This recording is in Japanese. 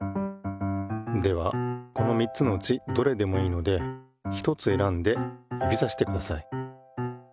ではこの３つのうちどれでもいいのでひとつ選んで指さしてください。